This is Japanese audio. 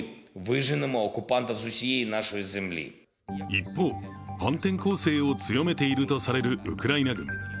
一方、反転攻勢を強めているとされるウクライナ軍。